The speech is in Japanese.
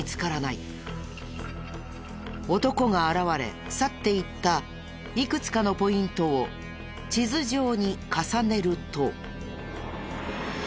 男が現れ去って行ったいくつかのポイントを地図上に重ねると。